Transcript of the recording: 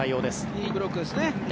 いいブロックですね。